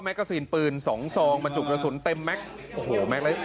แม็กซีนปืนสองสองมาจุกกระสุนเต็มแม็กซีนโอ้โหแม็กซีน